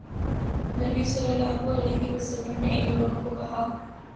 نبی صلی اللہ علیہ وسلم نے ان دونوں کو کہا